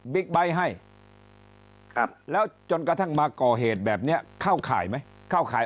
ไบท์ให้แล้วจนกระทั่งมาก่อเหตุแบบนี้เข้าข่ายไหมเข้าข่าย